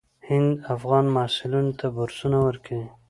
هند افغان محصلینو ته بورسونه ورکوي.